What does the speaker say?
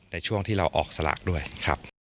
ในช่วงที่เราออกสลากด้วยครับ